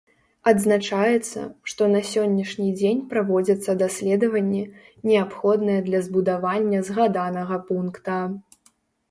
Адзначаецца, што на сённяшні дзень праводзяцца даследаванні, неабходныя для збудавання згаданага пункта.